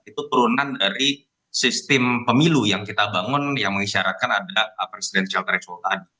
itu turunan dari sistem pemilu yang kita bangun yang mengisyaratkan ada presidensial threshold tadi